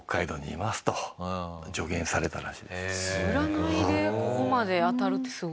占いでここまで当たるってすごいですけど。